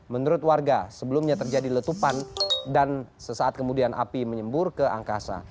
menurut warga sebelumnya terjadi letupan dan sesaat kemudian api menyembur ke angkasa